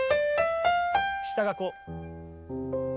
下がこう。